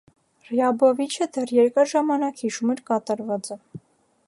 Ռյաբովիչը դեռ երկար ժամանակ հիշում էր կատարվածը։